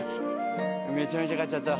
めちゃめちゃ買っちゃった。